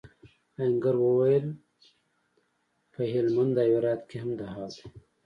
آهنګر وویل پهلمند او هرات کې هم دا حال دی.